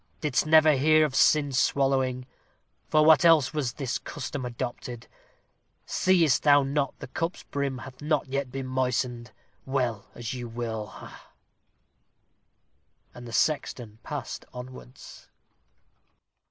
Didst never hear of sin swallowing? For what else was this custom adopted? Seest thou not the cup's brim hath not yet been moistened? Well, as you will ha, ha!" And the sexton passed onwards.